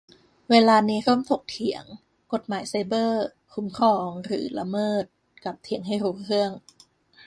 เวลานี้ร่วมถกเถียง : กฎหมายไซเบอร์ คุ้มครอง หรือ ละเมิด ? กับเถียงให้รู้เรื่อง